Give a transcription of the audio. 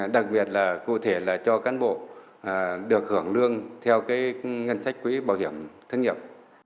đặc biệt là cụ thể là cho cán bộ được hưởng lương theo cái ngân sách quỹ bảo hiểm